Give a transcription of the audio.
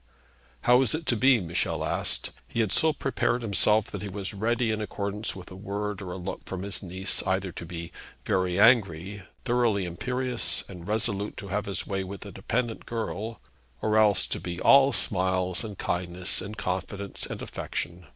'How is it to be?' Michel asked. He had so prepared himself that he was ready in accordance with a word or a look from his niece either to be very angry, thoroughly imperious, and resolute to have his way with the dependent girl, or else to be all smiles, and kindness, and confidence, and affection.